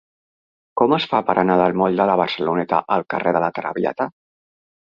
Com es fa per anar del moll de la Barceloneta al carrer de La Traviata?